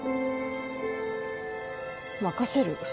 任せる。